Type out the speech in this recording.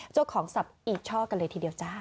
เจ้าของสับอีช่อกันเลยทีเดียวจ้า